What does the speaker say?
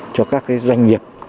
cho các cái doanh nghiệp